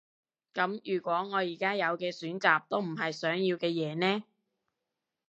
噉如果我而家有嘅選擇都唔係想要嘅嘢呢？